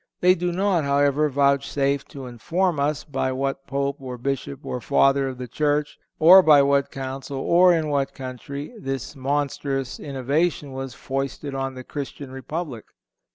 They do not, however, vouchsafe to inform us by what Pope or Bishop or Father of the Church, or by what Council, or in what country, this monstrous innovation was foisted on the Christian Republic.